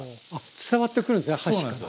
伝わってくるんですね箸から。